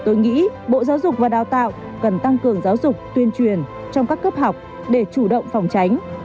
tôi nghĩ bộ giáo dục và đào tạo cần tăng cường giáo dục tuyên truyền trong các cấp học để chủ động phòng tránh